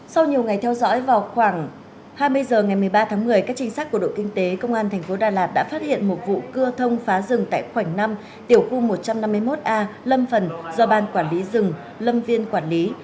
sau nhiều ngày theo dõi vào khoảng hai mươi h ngày một mươi ba tháng một mươi các trinh sát của đội kinh tế công an thành phố đà lạt đã phát hiện một vụ cưa thông phá rừng tại khoảnh năm tiểu khu một trăm năm mươi một a lâm phần do ban quản lý rừng lâm viên quản lý